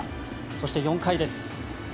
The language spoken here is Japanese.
そして、４回です。